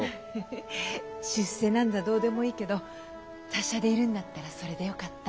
ハハ出世なんざどうでもいいけど達者でいるんだったらそれでよかった。